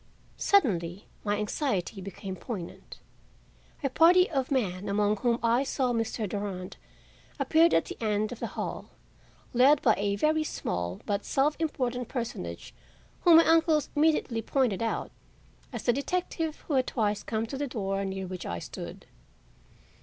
Suddenly my anxiety became poignant. A party of men, among whom I saw Mr. Durand, appeared at the end of the hall, led by a very small but self important personage whom my uncle immediately pointed out as the detective who had twice come to the door near which I stood.